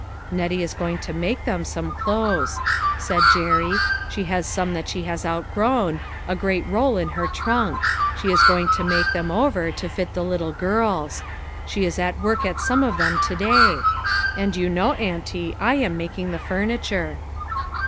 "Nettie is going to make them some clothes," said Jerry ;" she has some that she has outgrown ; a great roll in her trunk; she is going to make them over to fit the little girls. She is at work at some of them to day. And you know, auntie, I am making the furniture."